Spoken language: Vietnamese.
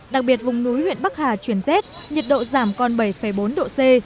đặc biệt vùng núi huyện bắc hà chuyển rét nhiệt độ giảm còn bảy bốn độ c